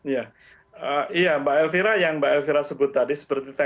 ya mbak elvira yang mbak elvira sebut tadi seperti tembok tadi ya